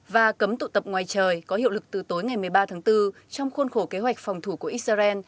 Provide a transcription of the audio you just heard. và cấm tụ tập ngoài trời có hiệu lực từ tối ngày một mươi ba tháng bốn trong khuôn khổ kế hoạch phòng thủ của israel